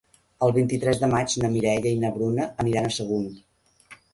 El vint-i-tres de maig na Mireia i na Bruna aniran a Sagunt.